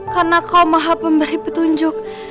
karena kau maha pemberi petunjuk